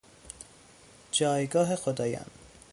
جایگاه خدایان